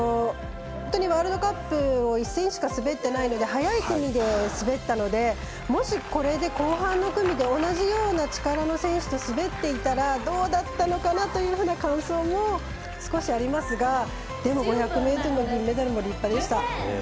ワールドカップを１戦しか滑ってないので早い組で滑ったのでもし、これで後半の組で同じような力の選手と滑っていたらどうだったのかなというような感想も少しありますがでも５００ｍの銀メダルも立派でした。